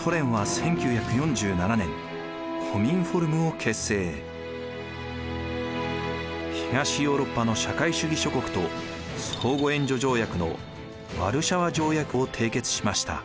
一方東ヨーロッパの社会主義諸国と相互援助条約のワルシャワ条約を締結しました。